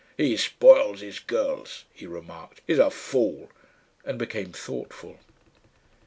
"He spoils his girls," he remarked. "He's a fool," and became thoughtful.